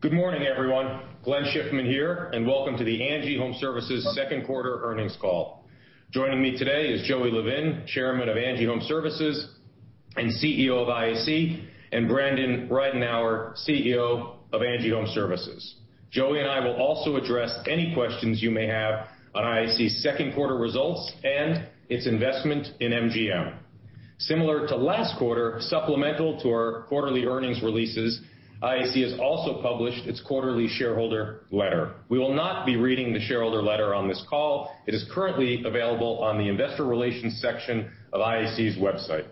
Good morning, everyone. Glenn Schiffman here. Welcome to the ANGI Homeservices second quarter earnings call. Joining me today is Joey Levin, Chairman of ANGI Homeservices and CEO of IAC, and Brandon Ridenour, CEO of ANGI Homeservices. Joey and I will also address any questions you may have on IAC's second quarter results and its investment in MGM. Similar to last quarter, supplemental to our quarterly earnings releases, IAC has also published its quarterly shareholder letter. We will not be reading the shareholder letter on this call. It is currently available on the investor relations section of IAC's website.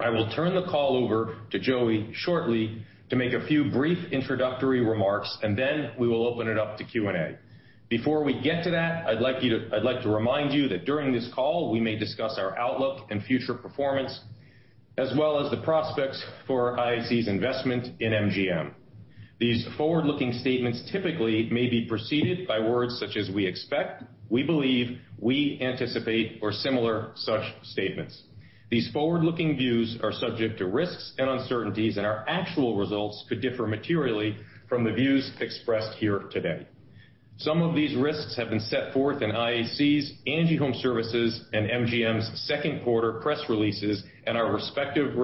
I will turn the call over to Joey shortly to make a few brief introductory remarks. Then we will open it up to Q&A. Before we get to that, I'd like to remind you that during this call, we may discuss our outlook and future performance, as well as the prospects for IAC's investment in MGM. These forward-looking statements typically may be preceded by words such as "we expect," "we believe," "we anticipate," or similar such statements. These forward-looking views are subject to risks and uncertainties, and our actual results could differ materially from the views expressed here today. Some of these risks have been set forth in IAC's, ANGI Homeservices, and MGM's second quarter press releases and our respective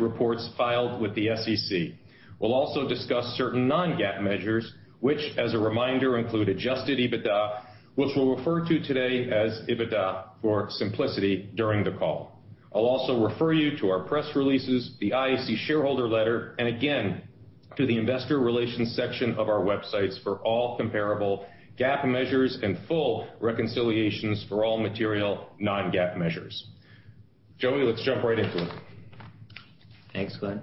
reports filed with the SEC. We'll also discuss certain non-GAAP measures, which as a reminder, include adjusted EBITDA, which we'll refer to today as EBITDA for simplicity during the call. I'll also refer you to our press releases, the IAC shareholder letter, and again, to the investor relations section of our websites for all comparable GAAP measures and full reconciliations for all material non-GAAP measures. Joey, let's jump right into it. Thanks, Glenn.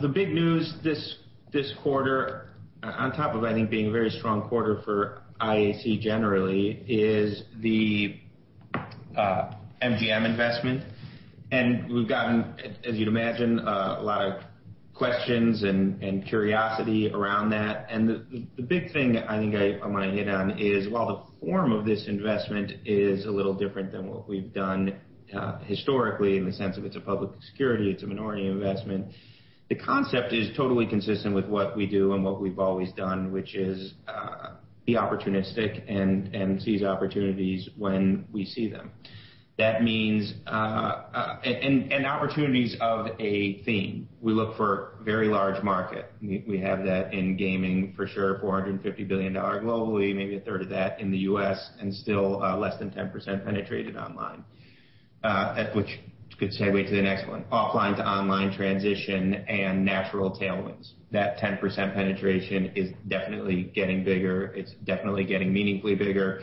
The big news this quarter, on top of I think being a very strong quarter for IAC generally, is the MGM investment. We've gotten, as you'd imagine, a lot of questions and curiosity around that. The big thing I think I want to hit on is, while the form of this investment is a little different than what we've done historically in the sense of it's a public security, it's a minority investment, the concept is totally consistent with what we do and what we've always done, which is be opportunistic and seize opportunities when we see them. Opportunities of a theme. We look for very large market. We have that in gaming for sure, $450 billion globally, maybe a third of that in the U.S., and still less than 10% penetrated online, which could segue to the next one. Offline to online transition and natural tailwinds. That 10% penetration is definitely getting bigger. It's definitely getting meaningfully bigger.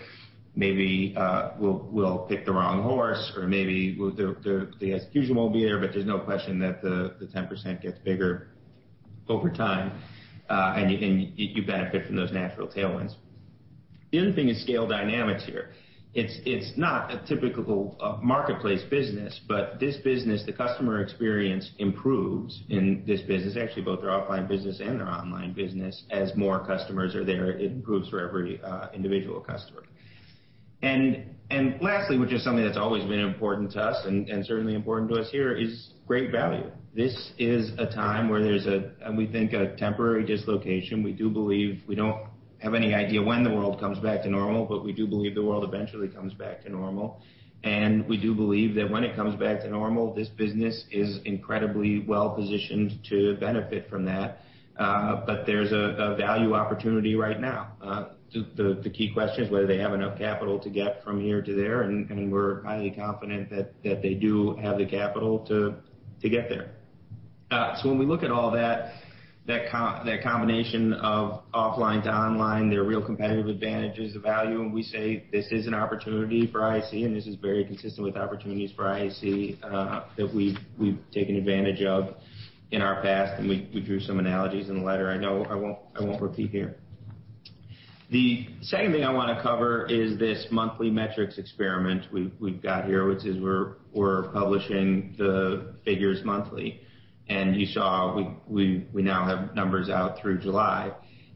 Maybe we'll pick the wrong horse, or maybe the execution won't be there. There's no question that the 10% gets bigger over time, and you benefit from those natural tailwinds. The other thing is scale dynamics here. It's not a typical marketplace business. This business, the customer experience improves in this business. Actually, both their offline business and their online business as more customers are there, it improves for every individual customer. Lastly, which is something that's always been important to us and certainly important to us here, is great value. This is a time where there's a, we think, a temporary dislocation. We don't have any idea when the world comes back to normal. We do believe the world eventually comes back to normal. We do believe that when it comes back to normal, this business is incredibly well-positioned to benefit from that. There's a value opportunity right now. The key question is whether they have enough capital to get from here to there, and we're highly confident that they do have the capital to get there. When we look at all that combination of offline to online, their real competitive advantages, the value, and we say this is an opportunity for IAC, and this is very consistent with opportunities for IAC that we've taken advantage of in our past, and we drew some analogies in the letter. I know I won't repeat here. The second thing I want to cover is this monthly metrics experiment we've got here, which is we're publishing the figures monthly. You saw we now have numbers out through July.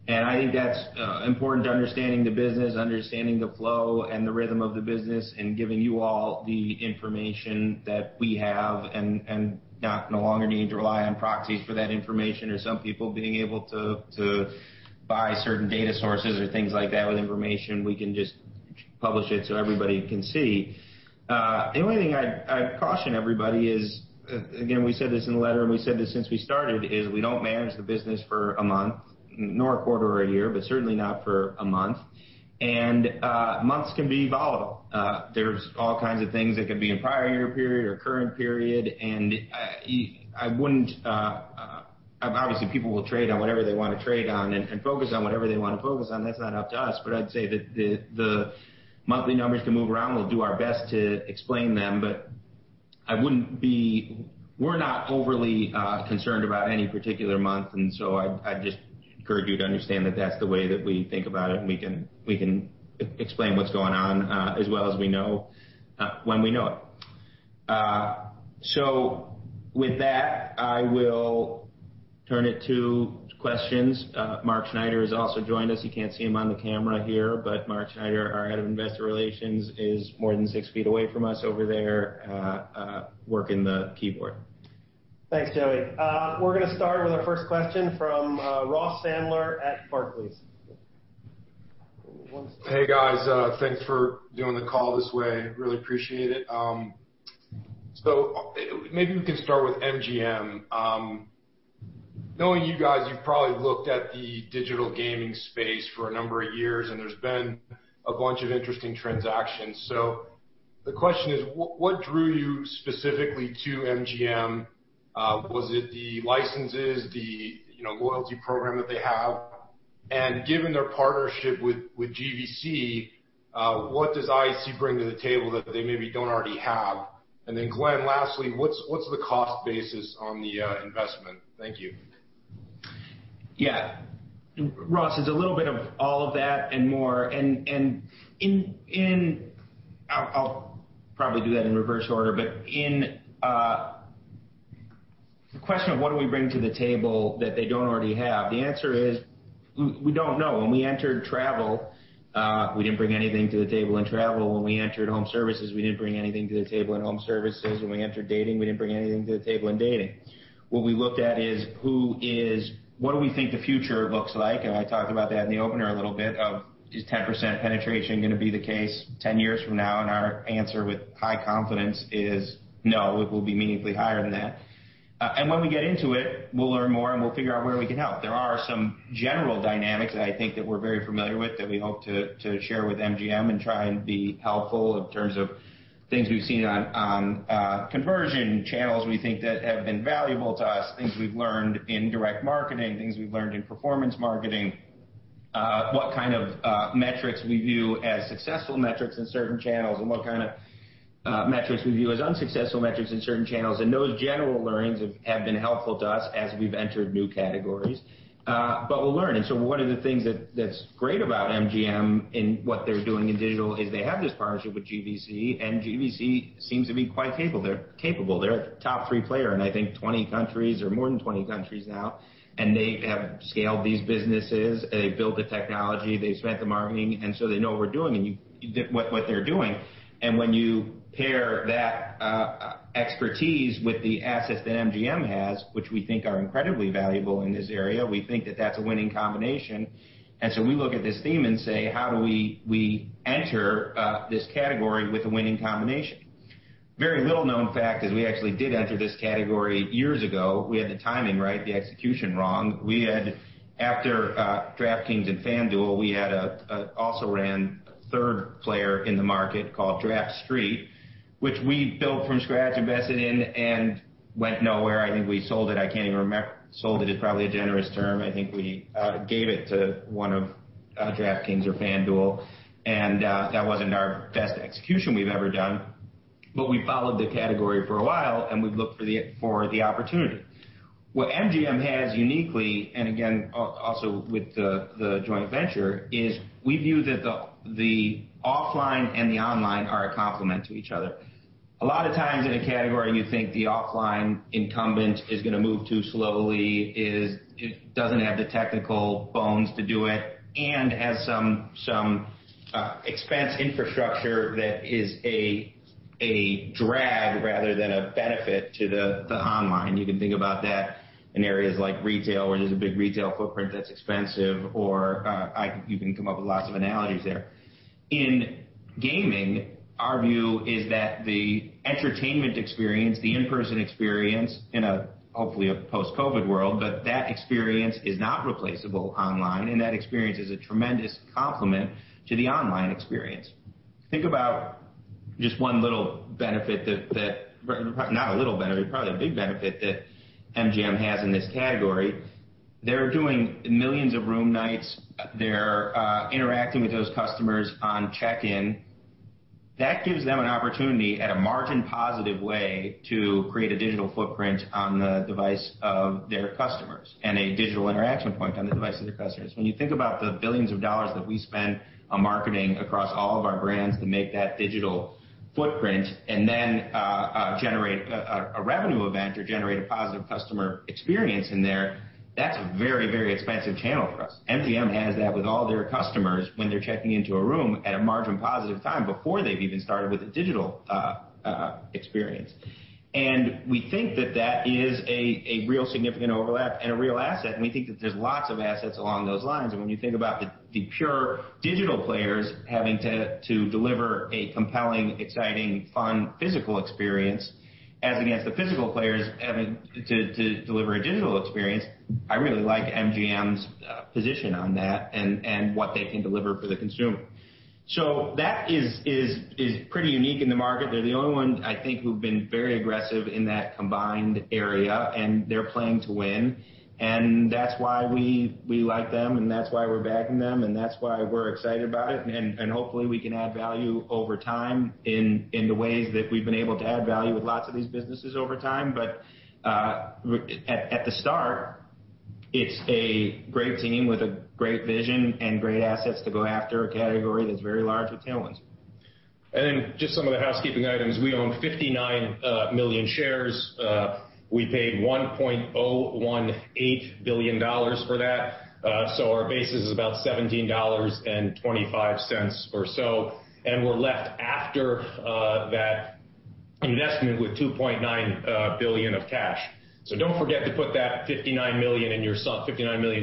I think that's important to understanding the business, understanding the flow and the rhythm of the business, and giving you all the information that we have and no longer need to rely on proxies for that information or some people being able to buy certain data sources or things like that with information. We can just publish it so everybody can see. The only thing I'd caution everybody is, again, we said this in the letter and we said this since we started, is we don't manage the business for a month, nor a quarter or a year, but certainly not for a month. Months can be volatile. There's all kinds of things that could be in prior year period or current period, and obviously people will trade on whatever they want to trade on and focus on whatever they want to focus on. That's not up to us. I'd say that the monthly numbers can move around. We'll do our best to explain them, but we're not overly concerned about any particular month. I'd just encourage you to understand that that's the way that we think about it, and we can explain what's going on as well as we know when we know it. With that, I will turn it to questions. Mark Schneider has also joined us. You can't see him on the camera here, but Mark Schneider, our head of investor relations, is more than 6 ft away from us over there, working the keyboard. Thanks, Joey. We're going to start with our first question from Ross Sandler at Barclays. Hey, guys. Thanks for doing the call this way. Really appreciate it. Maybe we can start with MGM. Knowing you guys, you've probably looked at the digital gaming space for a number of years, and there's been a bunch of interesting transactions. The question is, what drew you specifically to MGM? Was it the licenses, the loyalty program that they have? Given their partnership with GVC, what does IAC bring to the table that they maybe don't already have? Glenn, lastly, what's the cost basis on the investment? Thank you. Yeah. Ross, it's a little bit of all of that and more. I'll probably do that in reverse order, but in the question of what do we bring to the table that they don't already have, the answer is, we don't know. When we entered travel, we didn't bring anything to the table in travel. When we entered home services, we didn't bring anything to the table in home services. When we entered dating, we didn't bring anything to the table in dating. What we looked at is what do we think the future looks like, and I talked about that in the opener a little bit, of is 10% penetration going to be the case 10 years from now? Our answer with high confidence is no, it will be meaningfully higher than that. When we get into it, we'll learn more, and we'll figure out where we can help. There are some general dynamics that I think that we're very familiar with, that we hope to share with MGM and try and be helpful in terms of things we've seen on conversion channels we think that have been valuable to us, things we've learned in direct marketing, things we've learned in performance marketing what kind of metrics we view as successful metrics in certain channels and what kind of metrics we view as unsuccessful metrics in certain channels. Those general learnings have been helpful to us as we've entered new categories. We'll learn. One of the things that's great about MGM and what they're doing in digital is they have this partnership with GVC, and GVC seems to be quite capable. They're a top three player in, I think, 20 countries or more than 20 countries now. They have scaled these businesses, they've built the technology, they've spent the marketing, and so they know what they're doing. When you pair that expertise with the assets that MGM has, which we think are incredibly valuable in this area, we think that that's a winning combination. We look at this theme and say, how do we enter this category with a winning combination? Very little-known fact is we actually did enter this category years ago. We had the timing right, the execution wrong. After DraftKings and FanDuel, we also ran a third player in the market called DraftStreet, which we built from scratch, invested in and went nowhere. I think we sold it. I can't even remember. Sold it is probably a generous term. I think we gave it to one of DraftKings or FanDuel, and that wasn't our best execution we've ever done. We followed the category for a while, and we've looked for the opportunity. What MGM has uniquely, and again, also with the joint venture, is we view that the offline and the online are a complement to each other. A lot of times in a category, you think the offline incumbent is going to move too slowly, it doesn't have the technical bones to do it, and has some expense infrastructure that is a drag rather than a benefit to the online. You can think about that in areas like retail, where there's a big retail footprint that's expensive, or you can come up with lots of analogies there. In gaming, our view is that the entertainment experience, the in-person experience in a, hopefully, a post-COVID world, but that experience is not replaceable online, and that experience is a tremendous complement to the online experience. Think about just one little benefit, probably a big benefit that MGM has in this category. They're doing millions of room nights. They're interacting with those customers on check-in. That gives them an opportunity at a margin positive way to create a digital footprint on the device of their customers and a digital interaction point on the device of their customers. When you think about the billions of dollars that we spend on marketing across all of our brands to make that digital footprint and then generate a revenue event or generate a positive customer experience in there, that's a very, very expensive channel for us. MGM has that with all their customers when they're checking into a room at a margin positive time before they've even started with a digital experience. We think that that is a real significant overlap and a real asset, and we think that there's lots of assets along those lines. When you think about the pure digital players having to deliver a compelling, exciting, fun, physical experience as against the physical players having to deliver a digital experience, I really like MGM's position on that and what they can deliver for the consumer. That is pretty unique in the market. They're the only ones, I think, who've been very aggressive in that combined area, and they're playing to win. That's why we like them, and that's why we're backing them, and that's why we're excited about it. Hopefully, we can add value over time in the ways that we've been able to add value with lots of these businesses over time. At the start, it's a great team with a great vision and great assets to go after a category that's very large with tailwinds. Just some of the housekeeping items. We own 59 million shares. We paid $1.018 billion for that. Our basis is about $17.25 or so, and we're left after that investment with $2.9 billion of cash. Don't forget to put that 59 million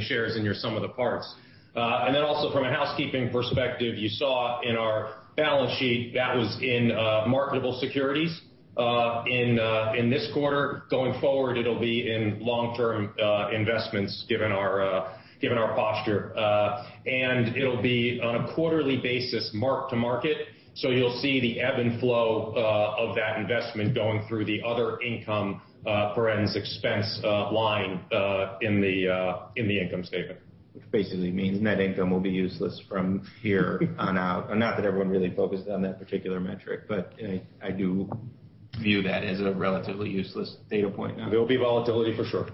shares in your sum-of-the-parts. Also from a housekeeping perspective, you saw in our balance sheet that was in marketable securities. In this quarter going forward, it'll be in long-term investments given our posture. It'll be on a quarterly basis mark-to-market, so you'll see the ebb and flow of that investment going through the other income [inaudible] expense line in the income statement. Which basically means net income will be useless from here on out, not that everyone really focused on that particular metric, but I do view that as a relatively useless data point now. There'll be volatility for sure.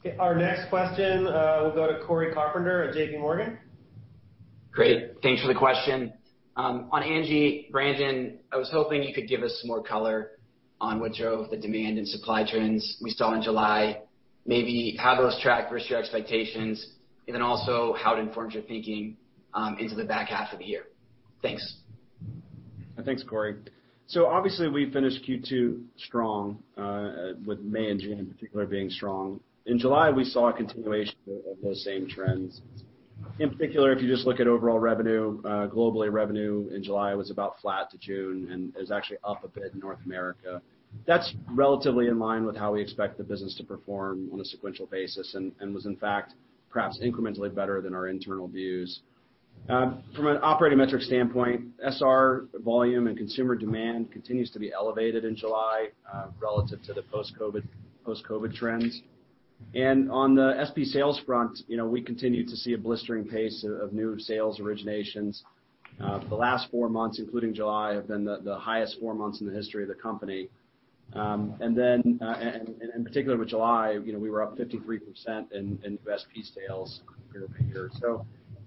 Okay, our next question will go to Cory Carpenter at J.P. Morgan. Great. Thanks for the question. On Angi, Brandon, I was hoping you could give us some more color on what drove the demand and supply trends we saw in July. Maybe how those track versus your expectations, also how it informs your thinking into the back half of the year. Thanks. Thanks, Cory. Obviously we finished Q2 strong, with May and June in particular being strong. In July, we saw a continuation of those same trends. In particular, if you just look at overall revenue, globally, revenue in July was about flat to June, and is actually up a bit in North America. That's relatively in line with how we expect the business to perform on a sequential basis and was, in fact, perhaps incrementally better than our internal views. From an operating metric standpoint, SR volume and consumer demand continues to be elevated in July relative to the post-COVID trends. On the SP sales front, we continue to see a blistering pace of new sales originations. The last four months, including July, have been the highest four months in the history of the company. In particular with July, we were up 53% in SP sales year-over-year.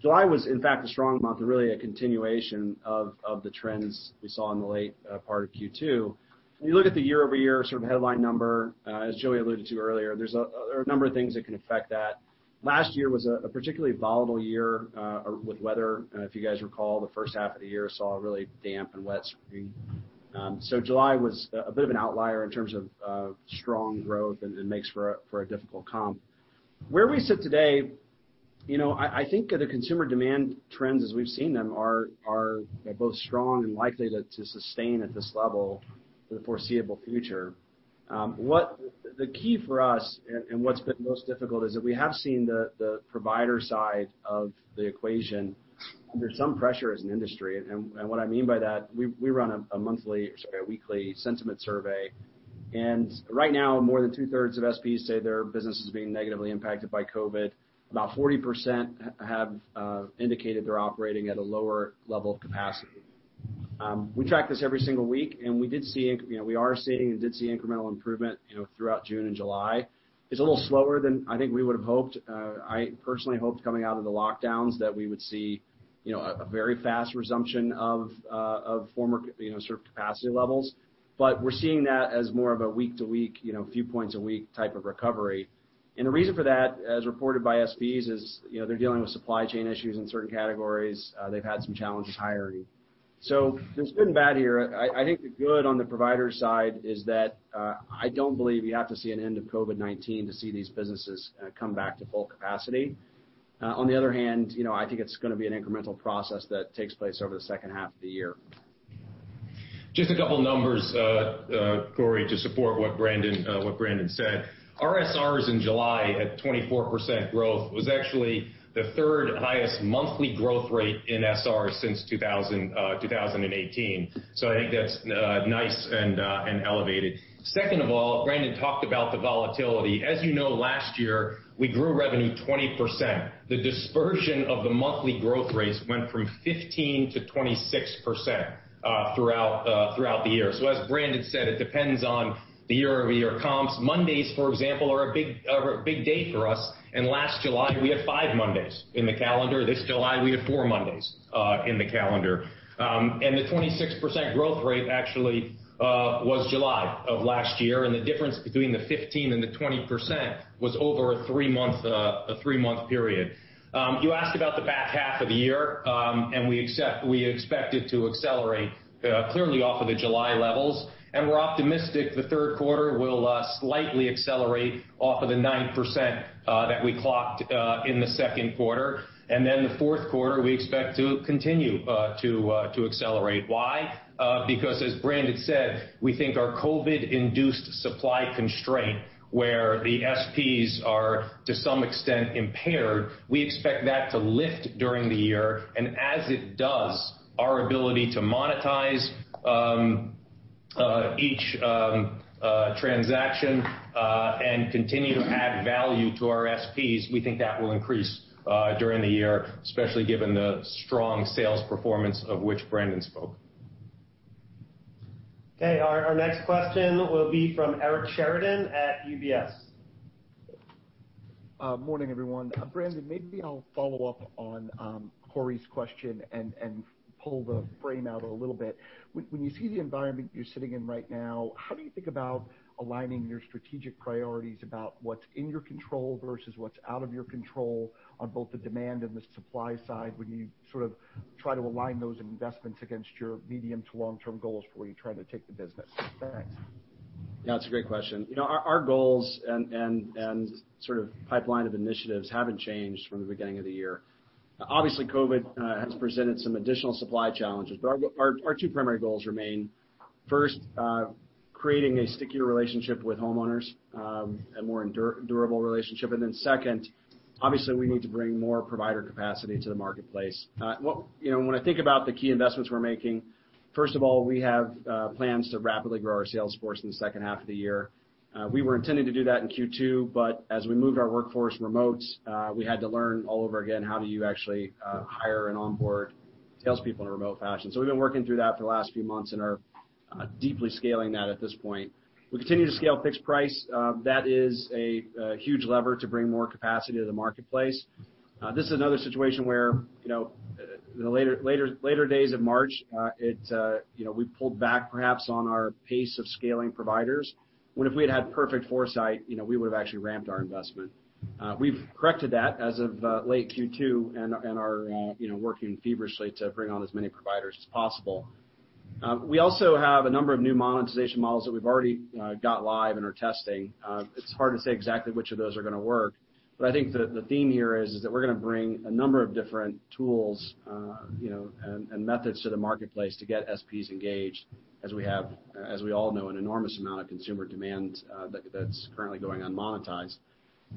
July was, in fact, a strong month and really a continuation of the trends we saw in the late part of Q2. When you look at the year-over-year sort of headline number, as Joey alluded to earlier, there are a number of things that can affect that. Last year was a particularly volatile year, with weather. If you guys recall, the first half of the year saw a really damp and wet spring. July was a bit of an outlier in terms of strong growth and makes for a difficult comp. Where we sit today, I think that the consumer demand trends as we've seen them are both strong and likely to sustain at this level for the foreseeable future. The key for us, and what's been most difficult, is that we have seen the provider side of the equation under some pressure as an industry. What I mean by that, we run a monthly, sorry, a weekly sentiment survey, and right now more than two-thirds of SPs say their business is being negatively impacted by COVID. About 40% have indicated they're operating at a lower level of capacity. We track this every single week, we are seeing, and did see incremental improvement throughout June and July. It's a little slower than I think we would've hoped. I personally hoped coming out of the lockdowns that we would see a very fast resumption of former sort of capacity levels. We're seeing that as more of a week to week, few points a week type of recovery. The reason for that, as reported by SPs, is they're dealing with supply chain issues in certain categories. They've had some challenges hiring. There's good and bad here. I think the good on the provider side is that I don't believe you have to see an end of COVID-19 to see these businesses come back to full capacity. On the other hand, I think it's going to be an incremental process that takes place over the second half of the year. Just a couple of numbers, Cory, to support what Brandon said. Our SRs in July at 24% growth was actually the third highest monthly growth rate in SR since 2018. I think that's nice and elevated. Second of all, Brandon talked about the volatility. As you know, last year, we grew revenue 20%. The dispersion of the monthly growth rates went from 15%-26% throughout the year. As Brandon said, it depends on the year-over-year comps. Mondays, for example, are a big day for us, and last July we had five Mondays in the calendar. This July we had four Mondays in the calendar. And the 26% growth rate actually was July of last year, and the difference between the 15% and the 20% was over a three-month period. You asked about the back half of the year. We expect it to accelerate clearly off of the July levels. We're optimistic the third quarter will slightly accelerate off of the 9% that we clocked in the second quarter. The fourth quarter, we expect to continue to accelerate. Why? Because as Brandon said, we think our COVID induced supply constraint, where the SPs are to some extent impaired, we expect that to lift during the year. As it does, our ability to monetize each transaction, and continue to add value to our SPs, we think that will increase during the year, especially given the strong sales performance of which Brandon spoke. Okay. Our next question will be from Eric Sheridan at UBS. Morning, everyone. Brandon, maybe I'll follow up on Cory's question and pull the frame out a little bit. When you see the environment you're sitting in right now, how do you think about aligning your strategic priorities about what's in your control versus what's out of your control on both the demand and the supply side, when you sort of try to align those investments against your medium to long-term goals for where you try to take the business? Thanks. Yeah, it's a great question. Our goals and sort of pipeline of initiatives haven't changed from the beginning of the year. Obviously, COVID has presented some additional supply challenges. Our two primary goals remain. First, creating a stickier relationship with homeowners, a more durable relationship. Second, obviously, we need to bring more provider capacity to the marketplace. When I think about the key investments we're making, first of all, we have plans to rapidly grow our sales force in the second half of the year. We were intending to do that in Q2. As we moved our workforce remote, we had to learn all over again how do you actually hire and onboard salespeople in a remote fashion. We've been working through that for the last few months and are deeply scaling that at this point. We continue to scale fixed price. That is a huge lever to bring more capacity to the marketplace. This is another situation where, in the later days of March, we pulled back perhaps on our pace of scaling providers, when if we had had perfect foresight, we would've actually ramped our investment. We've corrected that as of late Q2 and are working feverishly to bring on as many providers as possible. We also have a number of new monetization models that we've already got live and are testing. It's hard to say exactly which of those are going to work, but I think the theme here is that we're going to bring a number of different tools and methods to the marketplace to get SPs engaged, as we all know, an enormous amount of consumer demand that's currently going unmonetized.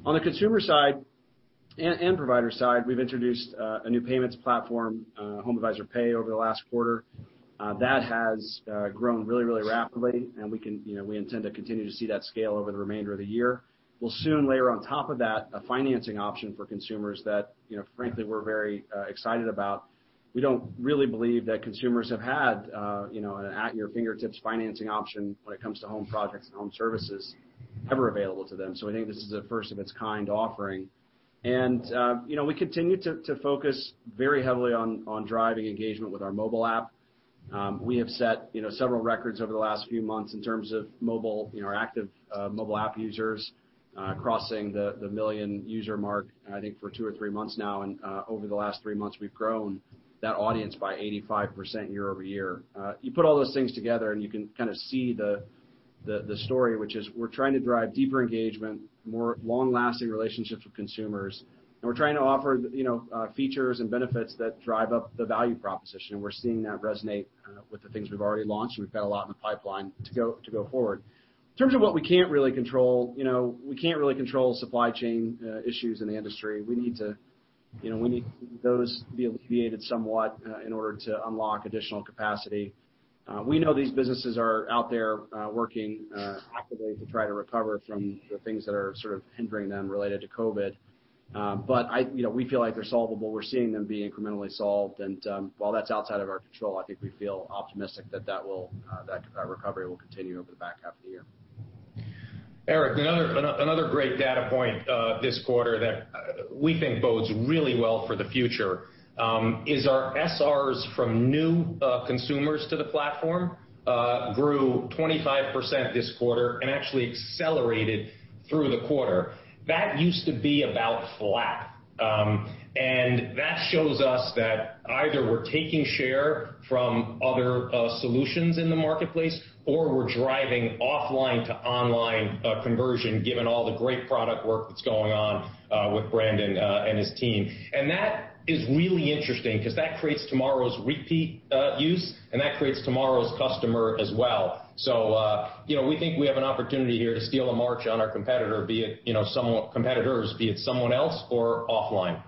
On the consumer side and provider side, we've introduced a new payments platform, HomeAdvisor Pay, over the last quarter. That has grown really rapidly, and we intend to continue to see that scale over the remainder of the year. We'll soon layer on top of that a financing option for consumers that, frankly, we're very excited about. We don't really believe that consumers have had an at-your-fingertips financing option when it comes to home projects and home services ever available to them. We think this is a first-of-its-kind offering. We continue to focus very heavily on driving engagement with our mobile app. We have set several records over the last few months in terms of active mobile app users, crossing the million-user mark, I think, for two or three months now. Over the last three months, we've grown that audience by 85% year-over-year. You put all those things together and you can kind of see the story, which is we're trying to drive deeper engagement, more long-lasting relationships with consumers, and we're trying to offer features and benefits that drive up the value proposition. We're seeing that resonate with the things we've already launched, and we've got a lot in the pipeline to go forward. In terms of what we can't really control, we can't really control supply chain issues in the industry. We need those to be alleviated somewhat in order to unlock additional capacity. We know these businesses are out there working actively to try to recover from the things that are sort of hindering them related to COVID. We feel like they're solvable. We're seeing them be incrementally solved. While that's outside of our control, I think we feel optimistic that that recovery will continue over the back half of the year. Eric, another great data point this quarter that we think bodes really well for the future is our SRs from new consumers to the platform grew 25% this quarter and actually accelerated through the quarter. That used to be about flat. That shows us that either we're taking share from other solutions in the marketplace, or we're driving offline-to-online conversion, given all the great product work that's going on with Brandon and his team. That is really interesting because that creates tomorrow's repeat use and that creates tomorrow's customer as well. We think we have an opportunity here to steal a march on our competitor, be it somewhat competitors, be it someone else or offline.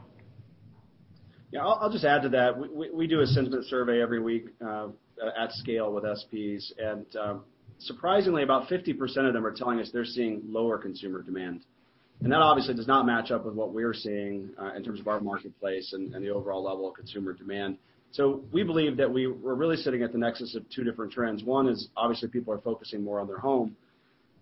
Yeah. I'll just add to that. We do a sentiment survey every week at scale with SPs, and surprisingly, about 50% of them are telling us they're seeing lower consumer demand. That obviously does not match up with what we're seeing in terms of our marketplace and the overall level of consumer demand. We believe that we're really sitting at the nexus of two different trends. One is obviously people are focusing more on their home.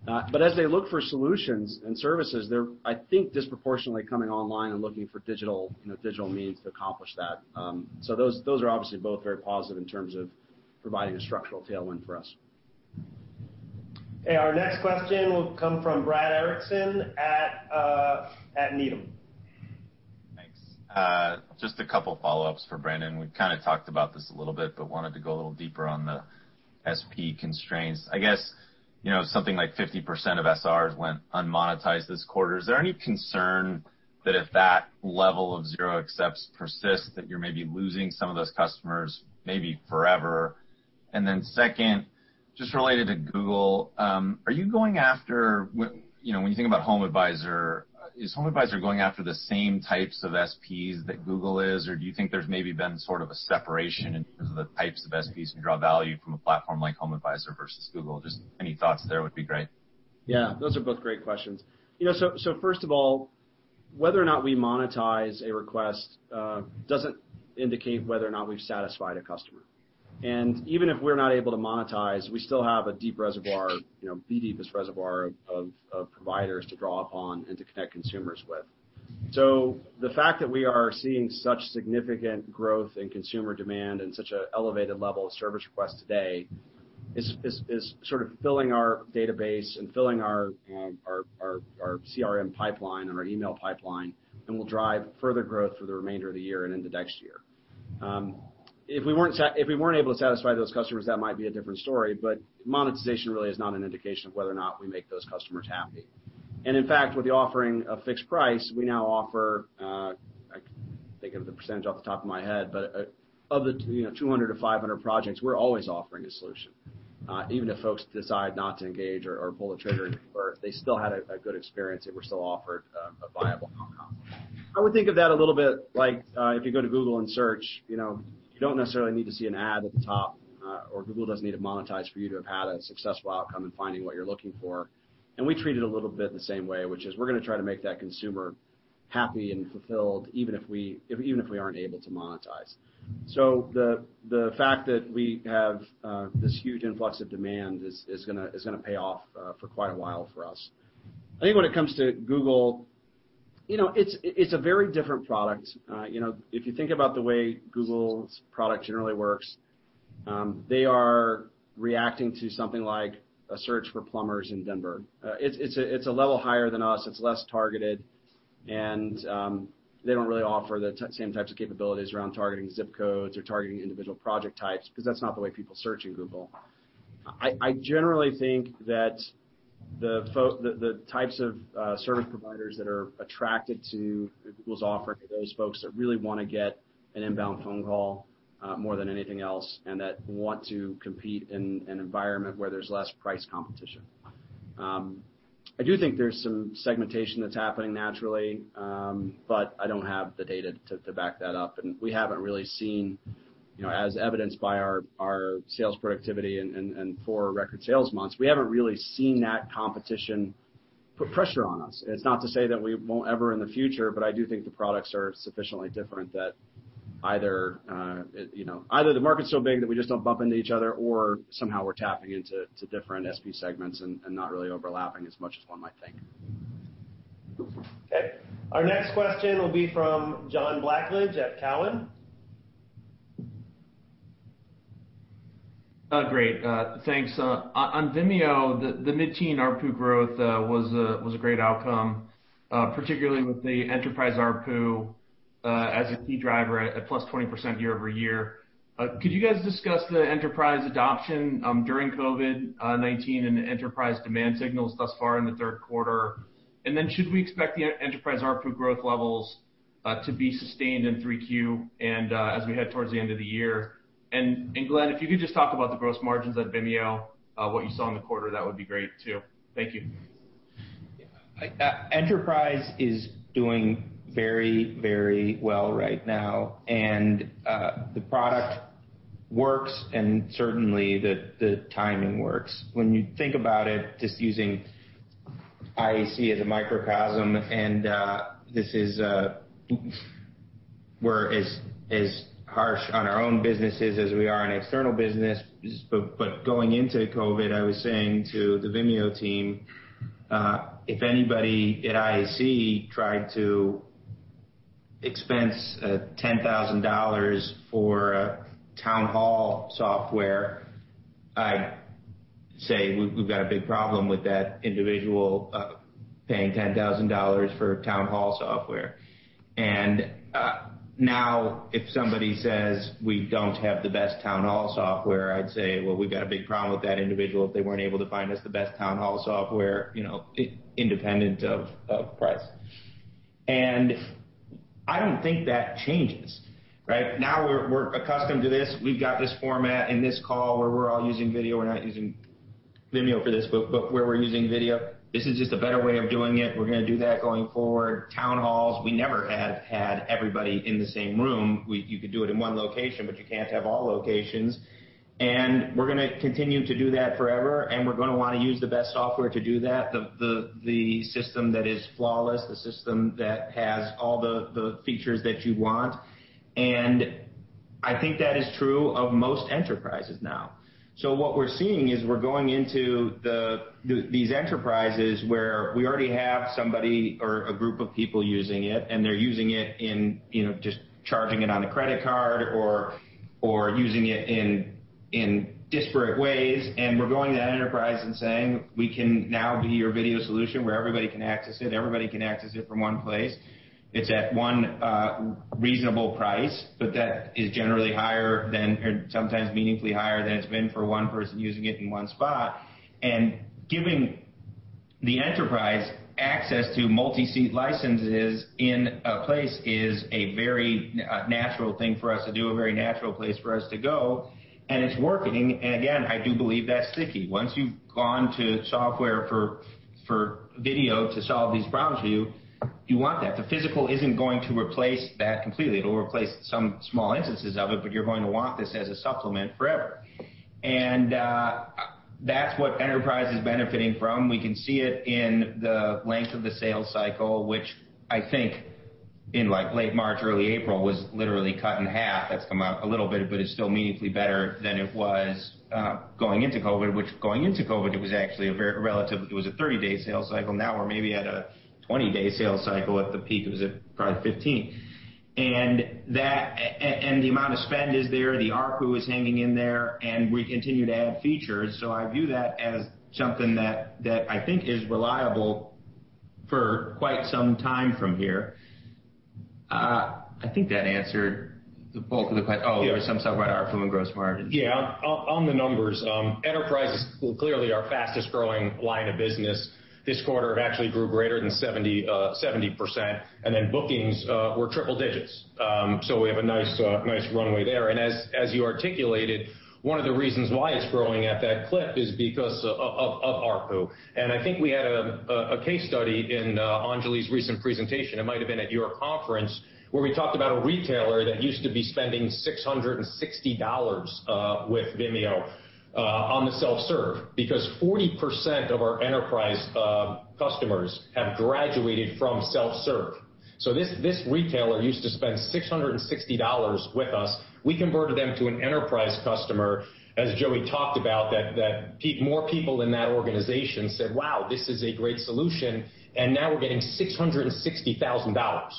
As they look for solutions and services, they're, I think, disproportionately coming online and looking for digital means to accomplish that. Those are obviously both very positive in terms of providing a structural tailwind for us. Okay. Our next question will come from Brad Erickson at Needham. Thanks. Just a couple follow-ups for Brandon. We kind of talked about this a little bit but wanted to go a little deeper on the SP constraints. I guess, something like 50% of SRs went unmonetized this quarter. Is there any concern that if that level of zero accepts persists, that you're maybe losing some of those customers, maybe forever? Second, just related to Google, when you think about HomeAdvisor, is HomeAdvisor going after the same types of SPs that Google is, or do you think there's maybe been sort of a separation in terms of the types of SPs who draw value from a platform like HomeAdvisor versus Google? Just any thoughts there would be great. Yeah, those are both great questions. First of all, whether or not we monetize a request doesn't indicate whether or not we've satisfied a customer. Even if we're not able to monetize, we still have a deep reservoir, the deepest reservoir of providers to draw upon and to connect consumers with. The fact that we are seeing such significant growth in consumer demand and such an elevated level of Service Requests today is sort of filling our database and filling our CRM pipeline or our email pipeline, and will drive further growth for the remainder of the year and into next year. If we weren't able to satisfy those customers, that might be a different story, but monetization really is not an indication of whether or not we make those customers happy. In fact, with the offering of fixed price, we now offer, I can't think of the percentage off the top of my head, but of the 200-500 projects, we're always offering a solution. Even if folks decide not to engage or pull the trigger, they still had a good experience and were still offered a viable outcome. I would think of that a little bit like if you go to Google and search, you don't necessarily need to see an ad at the top or Google doesn't need to monetize for you to have had a successful outcome in finding what you're looking for. We treat it a little bit the same way, which is we're going to try to make that consumer happy and fulfilled, even if we aren't able to monetize. The fact that we have this huge influx of demand is going to pay off for quite a while for us. I think when it comes to Google, it's a very different product. If you think about the way Google's product generally works, they are reacting to something like a search for plumbers in Denver. It's a level higher than us. It's less targeted, and they don't really offer the same types of capabilities around targeting zip codes or targeting individual project types, because that's not the way people search in Google. I generally think that the types of service providers that are attracted to Google's offering are those folks that really want to get an inbound phone call more than anything else, and that want to compete in an environment where there's less price competition. I do think there's some segmentation that's happening naturally, but I don't have the data to back that up. We haven't really seen, as evidenced by our sales productivity and four record sales months, we haven't really seen that competition put pressure on us. It's not to say that we won't ever in the future, but I do think the products are sufficiently different that either the market's so big that we just don't bump into each other or somehow we're tapping into different SP segments and not really overlapping as much as one might think. Okay. Our next question will be from John Blackledge at Cowen. Great. Thanks. On Vimeo, the mid-teen ARPU growth was a great outcome, particularly with the enterprise ARPU as a key driver at +20% year-over-year. Could you guys discuss the enterprise adoption during COVID-19 and the enterprise demand signals thus far in the third quarter? Should we expect the enterprise ARPU growth levels to be sustained in 3Q and as we head towards the end of the year? Glenn, if you could just talk about the gross margins at Vimeo, what you saw in the quarter, that would be great, too. Thank you. Enterprise is doing very well right now, and the product works and certainly the timing works. When you think about it, just using IAC as a microcosm, and we're as harsh on our own businesses as we are on external businesses, but going into COVID, I was saying to the Vimeo team if anybody at IAC tried to expense $10,000 for a town hall software, I'd say we've got a big problem with that individual paying $10,000 for town hall software. Now if somebody says, "We don't have the best town hall software," I'd say, "Well, we've got a big problem with that individual if they weren't able to find us the best town hall software independent of price." I don't think that changes, right? Now we're accustomed to this. We've got this format and this call where we're all using video. We're not using Vimeo for this, but where we're using video. This is just a better way of doing it. We're going to do that going forward. Town halls, we never have had everybody in the same room. You could do it in one location, but you can't have all locations. We're going to continue to do that forever, and we're going to want to use the best software to do that, the system that is flawless, the system that has all the features that you want. I think that is true of most enterprises now. What we're seeing is we're going into these enterprises where we already have somebody or a group of people using it, and they're using it in just charging it on a credit card or using it in disparate ways. We're going to that enterprise and saying, we can now be your video solution where everybody can access it. Everybody can access it from one place. It's at one reasonable price, but that is generally higher than, or sometimes meaningfully higher than it's been for one person using it in one spot. Giving the enterprise access to multi-seat licenses in a place is a very natural thing for us to do, a very natural place for us to go, and it's working. Again, I do believe that's sticky. Once you've gone to software for video to solve these problems for you want that. The physical isn't going to replace that completely. It'll replace some small instances of it, but you're going to want this as a supplement forever. That's what Enterprise is benefiting from. We can see it in the length of the sales cycle, which I think in late March, early April, was literally cut in half. That's come out a little bit, but it's still meaningfully better than it was going into COVID. Going into COVID, it was actually a very relative, it was a 30-day sales cycle. Now we're maybe at a 20-day sales cycle. At the peak, it was at probably 15. The amount of spend is there, the ARPU is hanging in there, and we continue to add features. I view that as something that I think is reliable for quite some time from here. I think that answered the bulk of the question. Yeah. Oh, there was some stuff about ARPU and gross margin. Yeah. On the numbers, Enterprise is clearly our fastest-growing line of business. This quarter it actually grew greater than 70%, bookings were triple digits. We have a nice runway there. As you articulated, one of the reasons why it's growing at that clip is because of ARPU. I think we had a case study in Anjali's recent presentation, it might've been at your conference, where we talked about a retailer that used to be spending $660 with Vimeo on the self-serve. 40% of our Enterprise customers have graduated from self-serve. This retailer used to spend $660 with us. We converted them to an Enterprise customer, as Joey talked about, that more people in that organization said, "Wow, this is a great solution." Now we're getting $660,000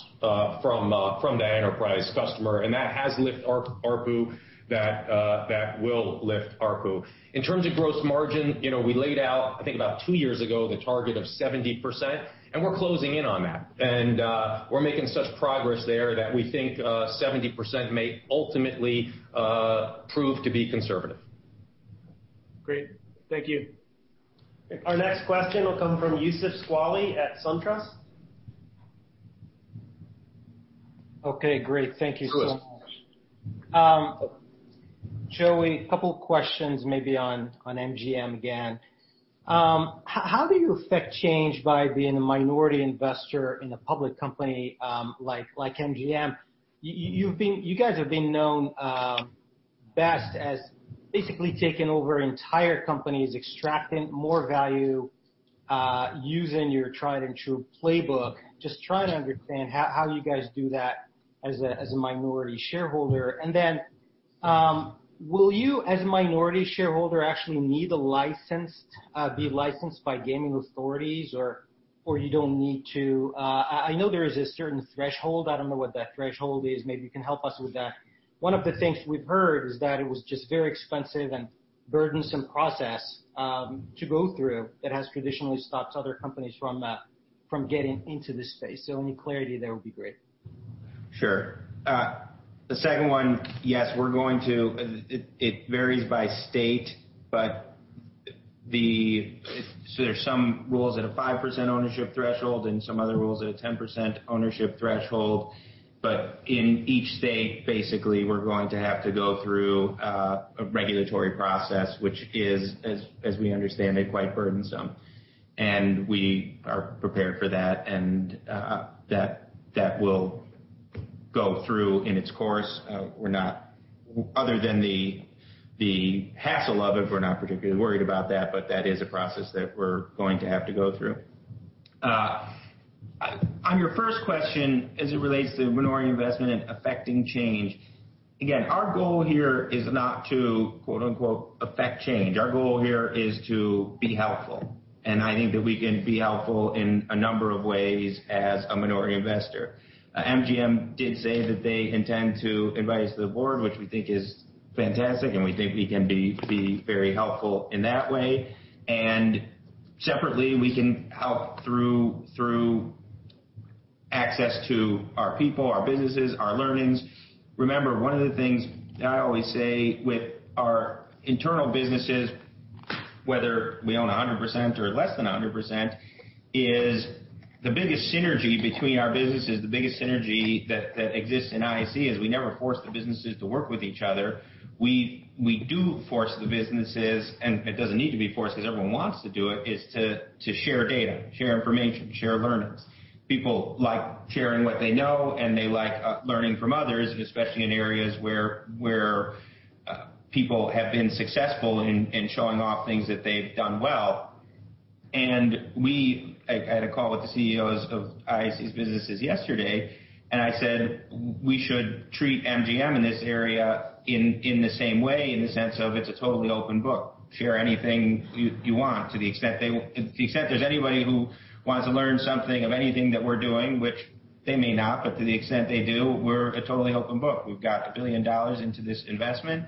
from that Enterprise customer, that has lift ARPU, that will lift ARPU. In terms of gross margin, we laid out, I think about two years ago, the target of 70%. We're closing in on that. We're making such progress there that we think 70% may ultimately prove to be conservative. Great. Thank you. Thank you. Our next question will come from Youssef Squali at SunTrust. Okay, great. Thank you so much. Youssef. Joey, couple questions maybe on MGM again. How do you affect change by being a minority investor in a public company like MGM? You guys have been known best as basically taking over entire companies, extracting more value, using your tried and true playbook. Just trying to understand how you guys do that as a minority shareholder. Then, will you, as a minority shareholder, actually need a license, be licensed by gaming authorities or you don't need to? I know there is a certain threshold. I don't know what that threshold is. Maybe you can help us with that. One of the things we've heard is that it was just very expensive and burdensome process to go through that has traditionally stopped other companies from getting into this space. Any clarity there would be great. Sure. The second one, yes, we're going to. It varies by state, but there's some rules at a 5% ownership threshold and some other rules at a 10% ownership threshold. In each state, basically, we're going to have to go through a regulatory process, which is, as we understand, quite burdensome. We are prepared for that, and that will go through in its course. Other than the hassle of it, we're not particularly worried about that, but that is a process that we're going to have to go through. On your first question as it relates to minority investment and affecting change, again, our goal here is not to, quote unquote, "affect change." Our goal here is to be helpful. I think that we can be helpful in a number of ways as a minority investor. MGM did say that they intend to invite us to the board, which we think is fantastic. We think we can be very helpful in that way. Separately, we can help through access to our people, our businesses, our learnings. Remember, one of the things I always say with our internal businesses, whether we own 100% or less than 100%, is the biggest synergy between our businesses, the biggest synergy that exists in IAC is we never force the businesses to work with each other. We do force the businesses, and it doesn't need to be forced because everyone wants to do it, is to share data, share information, share learnings. People like sharing what they know, and they like learning from others, and especially in areas where people have been successful in showing off things that they've done well. I had a call with the CEOs of IAC's businesses yesterday, and I said we should treat MGM in this area in the same way in the sense of it's a totally open book. Share anything you want to the extent there's anybody who wants to learn something of anything that we're doing, which they may not, but to the extent they do, we're a totally open book. We've got a billion dollars into this investment.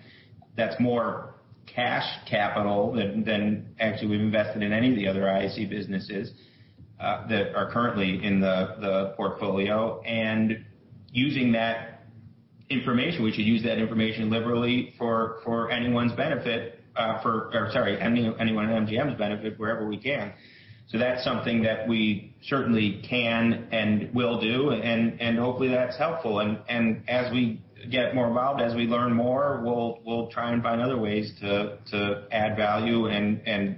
That's more cash capital than actually we've invested in any of the other IAC businesses that are currently in the portfolio. Using that information, we should use that information liberally for anyone's benefit, or sorry, anyone at MGM's benefit wherever we can. That's something that we certainly can and will do, and hopefully, that's helpful. As we get more involved, as we learn more, we'll try and find other ways to add value and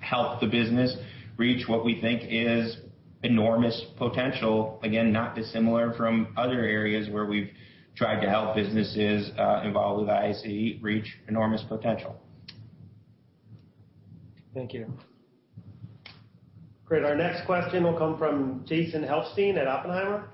help the business reach what we think is enormous potential. Again, not dissimilar from other areas where we've tried to help businesses involved with IAC reach enormous potential. Thank you. Great. Our next question will come from Jason Helfstein at Oppenheimer.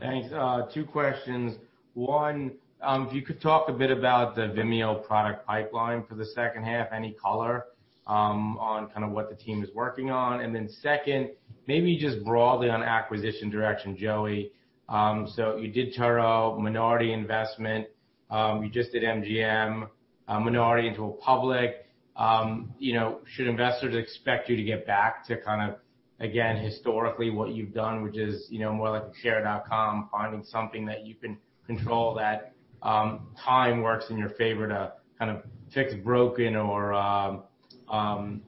Thanks. Two questions. One, if you could talk a bit about the Vimeo product pipeline for the second half. Any color on what the team is working on? Second, maybe just broadly on acquisition direction, Joey. You did Turo minority investment. You just did MGM minority into a public. Should investors expect you to get back to, again, historically what you've done, which is more like a Care.com, finding something that you can control, that time works in your favor to fix broken or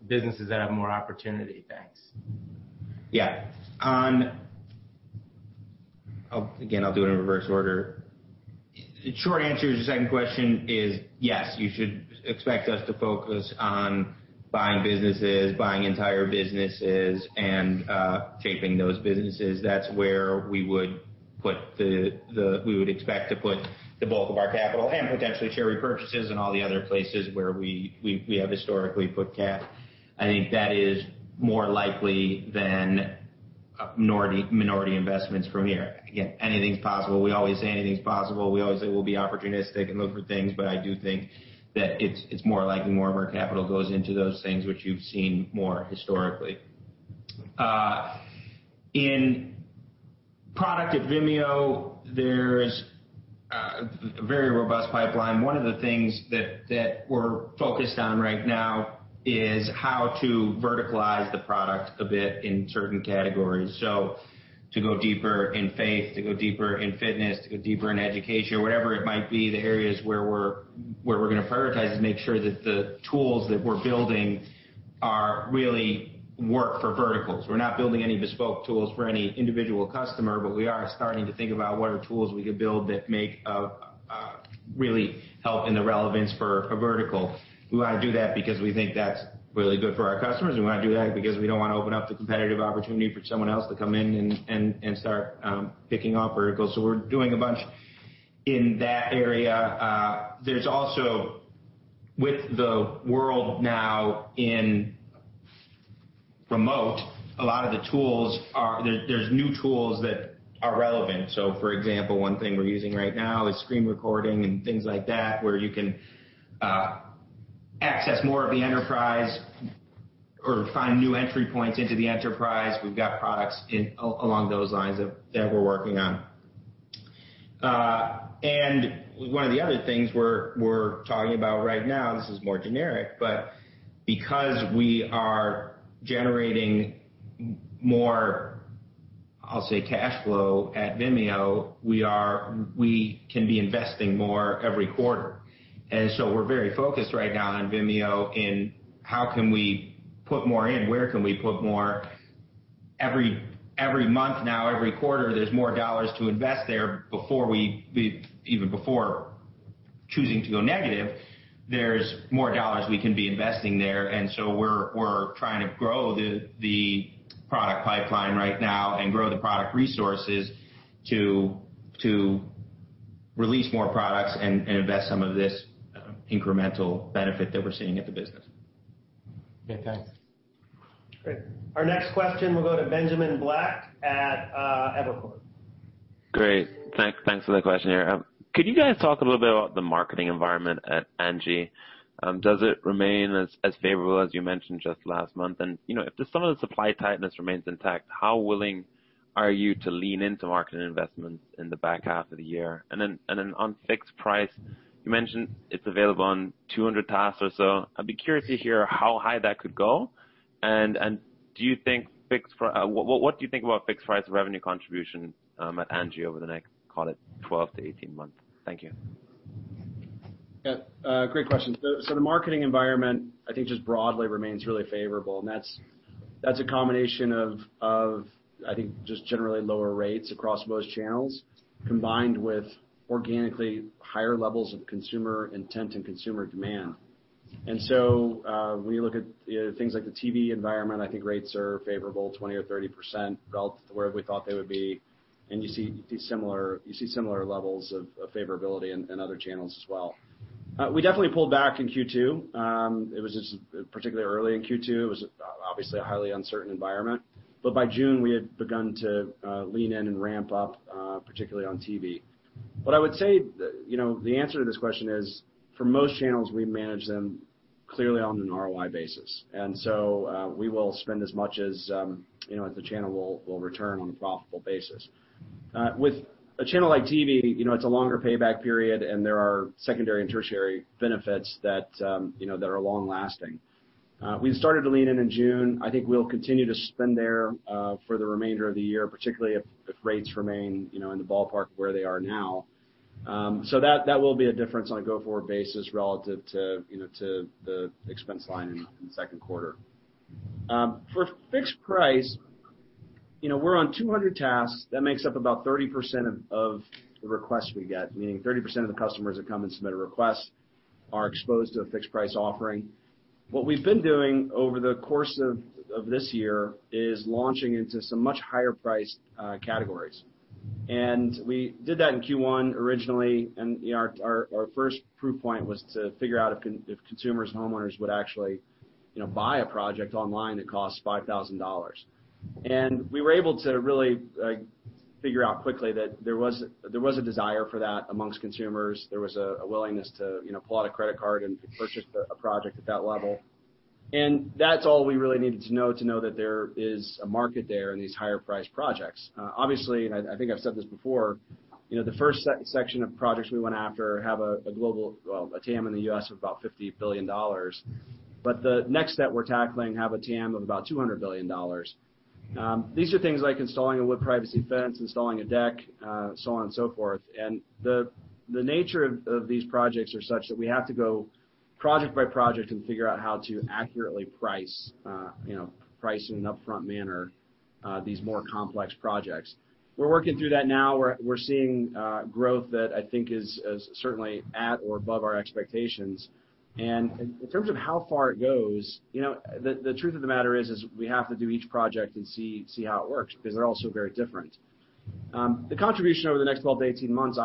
businesses that have more opportunity? Thanks. Yeah. Again, I'll do it in reverse order. The short answer to your second question is yes. You should expect us to focus on buying businesses, buying entire businesses, and shaping those businesses. That's where we would expect to put the bulk of our capital and potentially share repurchases and all the other places where we have historically put cash. I think that is more likely than minority investments from here. Again, anything's possible. We always say anything's possible. We always say we'll be opportunistic and look for things, I do think that it's more likely more of our capital goes into those things which you've seen more historically. In product at Vimeo, there's a very robust pipeline. One of the things that we're focused on right now is how to verticalize the product a bit in certain categories. To go deeper in faith, to go deeper in fitness, to go deeper in education or whatever it might be, the areas where we're going to prioritize and make sure that the tools that we're building really work for verticals. We're not building any bespoke tools for any individual customer, but we are starting to think about what are tools we could build that really help in the relevance for a vertical. We want to do that because we think that's really good for our customers. We want to do that because we don't want to open up the competitive opportunity for someone else to come in and start picking off verticals. We're doing a bunch in that area. There's also, with the world now in remote, a lot of the tools are. There's new tools that are relevant. For example, one thing we're using right now is screen recording and things like that, where you can access more of the enterprise or find new entry points into the enterprise. We've got products along those lines that we're working on. One of the other things we're talking about right now, this is more generic, but because we are generating more, I'll say, cash flow at Vimeo, we can be investing more every quarter. We're very focused right now on Vimeo in how can we put more in, where can we put more? Every month now, every quarter, there's more dollars to invest there. Even before choosing to go negative, there's more dollars we can be investing there. We're trying to grow the product pipeline right now and grow the product resources to release more products and invest some of this incremental benefit that we're seeing at the business. Okay, thanks. Great. Our next question will go to Benjamin Black at Evercore. Great. Thanks for the question here. Could you guys talk a little bit about the marketing environment at Angi? Does it remain as favorable as you mentioned just last month? If some of the supply tightness remains intact, how willing are you to lean into marketing investments in the back half of the year? On fixed price, you mentioned it's available on 200 tasks or so. I'd be curious to hear how high that could go, and what do you think about fixed price revenue contribution at Angi over the next, call it, 12-18 months? Thank you. Yeah. Great questions. The marketing environment, I think just broadly remains really favorable, and that's a combination of, I think, just generally lower rates across most channels, combined with organically higher levels of consumer intent and consumer demand. When you look at things like the TV environment, I think rates are favorable 20% or 30% relative to where we thought they would be. You see similar levels of favorability in other channels as well. We definitely pulled back in Q2. It was just particularly early in Q2. It was obviously a highly uncertain environment. By June, we had begun to lean in and ramp up, particularly on TV. What I would say, the answer to this question is, for most channels, we manage them clearly on an ROI basis. We will spend as much as the channel will return on a profitable basis. With a channel like TV, it's a longer payback period and there are secondary and tertiary benefits that are long-lasting. We started to lean in in June. I think we'll continue to spend there for the remainder of the year, particularly if rates remain in the ballpark of where they are now. That will be a difference on a go-forward basis relative to the expense line in the second quarter. For fixed price, we're on 200 tasks. That makes up about 30% of the requests we get, meaning 30% of the customers that come and submit a request are exposed to a fixed price offering. What we've been doing over the course of this year is launching into some much higher priced categories. We did that in Q1 originally, and our first proof point was to figure out if consumers, homeowners would actually buy a project online that costs $5,000. We were able to really figure out quickly that there was a desire for that amongst consumers. There was a willingness to pull out a credit card and purchase a project at that level. That's all we really needed to know to know that there is a market there in these higher priced projects. I think I've said this before, the first section of projects we went after have a TAM in the U.S. of about $50 billion. The next set we're tackling have a TAM of about $200 billion. These are things like installing a wood privacy fence, installing a deck, so on and so forth. The nature of these projects are such that we have to go project by project and figure out how to accurately price in an upfront manner these more complex projects. We're working through that now. We're seeing growth that I think is certainly at or above our expectations. In terms of how far it goes, the truth of the matter is we have to do each project and see how it works, because they're all so very different. The contribution over the next 12-18 months,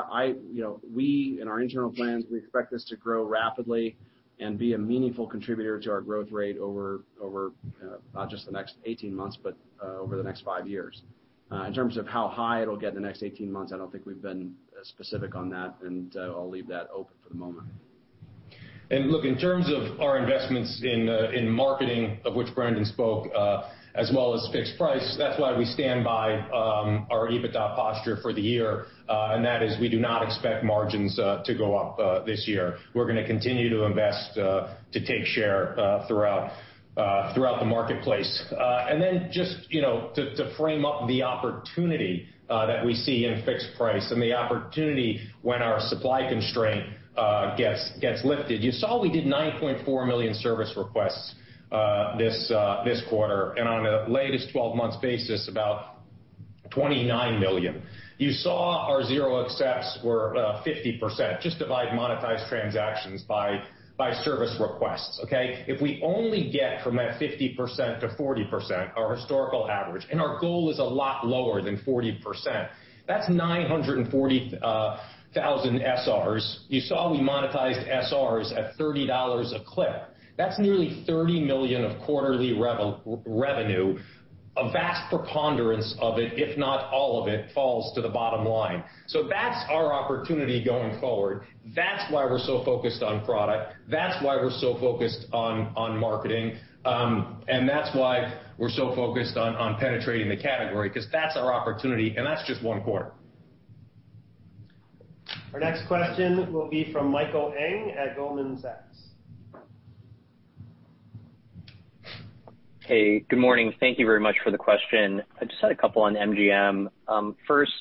we, in our internal plans, we expect this to grow rapidly and be a meaningful contributor to our growth rate over not just the next 18 months, but over the next five years. In terms of how high it'll get in the next 18 months, I don't think we've been specific on that. I'll leave that open for the moment. Look, in terms of our investments in marketing, of which Brandon spoke, as well as fixed price, that's why we stand by our EBITDA posture for the year. That is, we do not expect margins to go up this year. We're going to continue to invest to take share throughout the marketplace. Just to frame up the opportunity that we see in fixed price and the opportunity when our supply constraint gets lifted. You saw we did 9.4 million Service Requests this quarter, and on a latest 12 months basis, about 29 million. You saw our zero accepts were 50%. Just divide monetized transactions by Service Requests, okay? If we only get from that 50% to 40%, our historical average, and our goal is a lot lower than 40%, that's 940,000 SRs. You saw we monetized SRs at $30 a clip. That's nearly $30 million of quarterly revenue. A vast preponderance of it, if not all of it, falls to the bottom line. That's our opportunity going forward. That's why we're so focused on product. That's why we're so focused on marketing. That's why we're so focused on penetrating the category, because that's our opportunity, and that's just one quarter. Our next question will be from Michael Eng at Goldman Sachs. Hey, good morning. Thank you very much for the question. I just had a couple on MGM. First,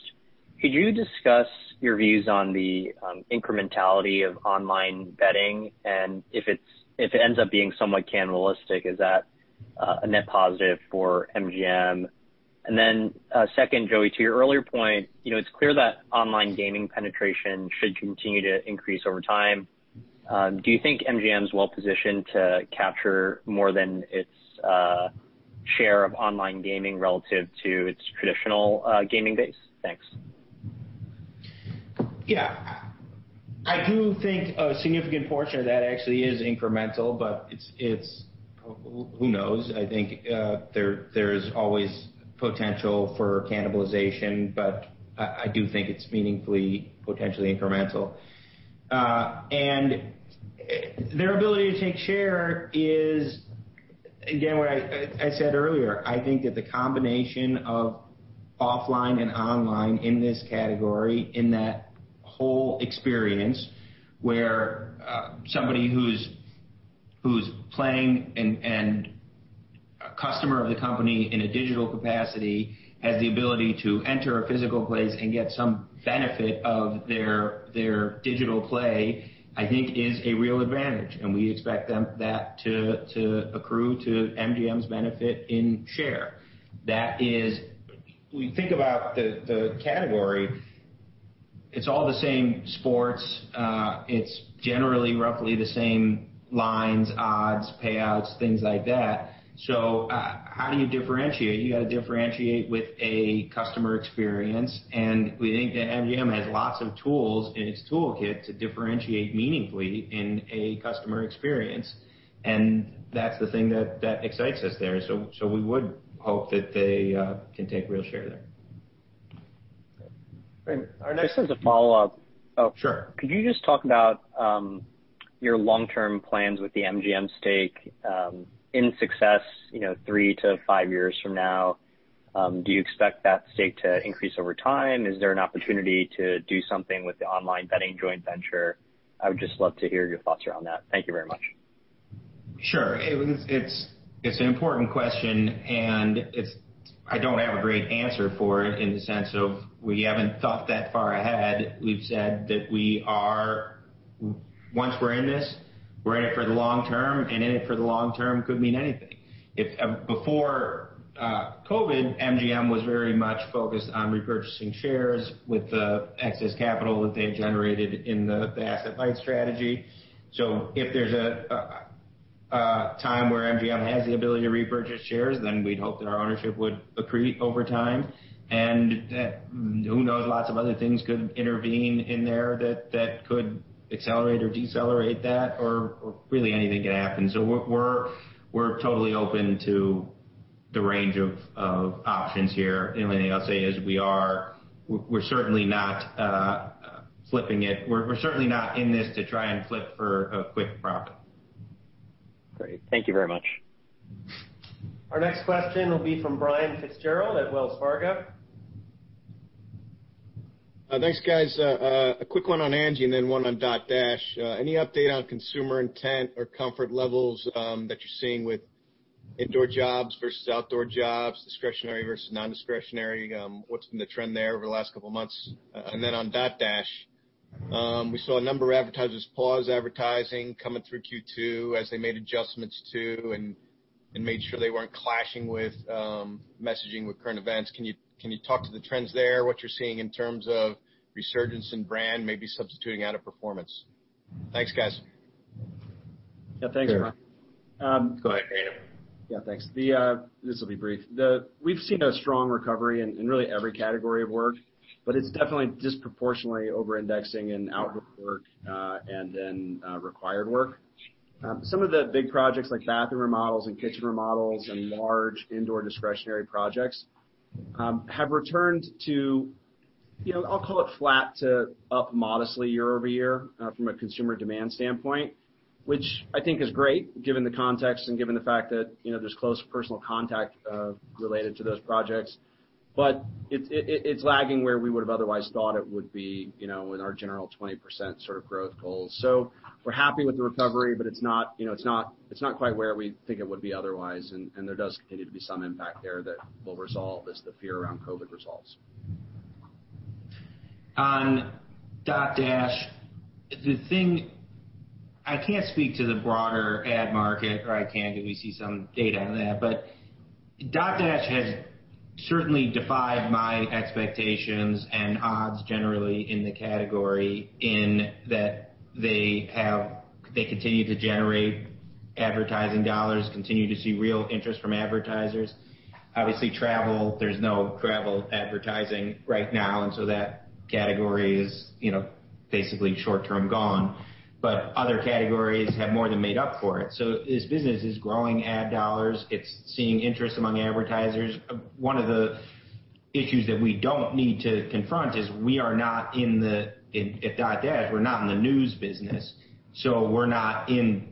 could you discuss your views on the incrementality of online betting and if it ends up being somewhat cannibalistic, is that a net positive for MGM? Then, second, Joey, to your earlier point, it's clear that online gaming penetration should continue to increase over time. Do you think MGM's well-positioned to capture more than its share of online gaming relative to its traditional gaming base? Thanks. I do think a significant portion of that actually is incremental, but who knows? I think there's always potential for cannibalization, but I do think it's meaningfully potentially incremental. Their ability to take share is, again, what I said earlier, I think that the combination of offline and online in this category, in that whole experience where somebody who's playing and a customer of the company in a digital capacity has the ability to enter a physical place and get some benefit of their digital play, I think is a real advantage. We expect that to accrue to MGM's benefit in share. When you think about the category, it's all the same sports. It's generally roughly the same lines, odds, payouts, things like that. How do you differentiate? You got to differentiate with a customer experience. We think that MGM has lots of tools in its toolkit to differentiate meaningfully in a customer experience. That's the thing that excites us there. We would hope that they can take real share there. Great. Just as a follow-up. Sure. Could you just talk about your long-term plans with the MGM stake in success three to five years from now? Do you expect that stake to increase over time? Is there an opportunity to do something with the online betting joint venture? I would just love to hear your thoughts around that. Thank you very much. Sure. It's an important question. I don't have a great answer for it in the sense of we haven't thought that far ahead. We've said that once we're in this, we're in it for the long term. In it for the long term could mean anything. Before COVID, MGM was very much focused on repurchasing shares with the excess capital that they had generated in the asset-light strategy. If there's a time where MGM has the ability to repurchase shares, we'd hope that our ownership would accrete over time. Who knows? Lots of other things could intervene in there that could accelerate or decelerate that, really anything could happen. We're totally open to the range of options here. The only thing I'll say is we're certainly not flipping it. We're certainly not in this to try and flip for a quick profit. Great. Thank you very much. Our next question will be from Brian Fitzgerald at Wells Fargo. Thanks, guys. A quick one on Angi and then one on Dotdash. Any update on consumer intent or comfort levels that you're seeing with indoor jobs versus outdoor jobs, discretionary versus non-discretionary? What's been the trend there over the last couple of months? On Dotdash, we saw a number of advertisers pause advertising coming through Q2 as they made adjustments to and made sure they weren't clashing with messaging with current events. Can you talk to the trends there, what you're seeing in terms of resurgence in brand, maybe substituting out of performance? Thanks, guys. Yeah, thanks, Brian. Go ahead, Brandon. Thanks. This will be brief. We've seen a strong recovery in really every category of work, but it's definitely disproportionately over-indexing in outdoor work and then required work. Some of the big projects like bath remodels and kitchen remodels and large indoor discretionary projects have returned to, I'll call it flat to up modestly year-over-year from a consumer demand standpoint, which I think is great given the context and given the fact that there's close personal contact related to those projects. But it's lagging where we would've otherwise thought it would be in our general 20% sort of growth goals. So we're happy with the recovery, but it's not quite where we think it would be otherwise, and there does continue to be some impact there that will resolve as the fear around COVID resolves. On Dotdash, I can't speak to the broader ad market, or I can because we see some data on that, but Dotdash has certainly defied my expectations and odds generally in the category in that they continue to generate advertising dollars, continue to see real interest from advertisers. Obviously, travel, there's no travel advertising right now, that category is basically short-term gone. Other categories have more than made up for it. This business is growing ad dollars. It's seeing interest among advertisers. One of the issues that we don't need to confront is we are not in the, at Dotdash, we're not in the news business, so we're not in